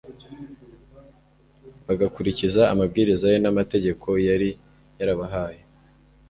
bagakurikiza amabwiriza ye, n'amategeko yari yarabahaye